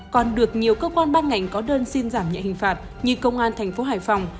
còn được nhiều cơ quan ban ngành có đơn xin giảm nhẹ hình phạt như công an thành phố hải phòng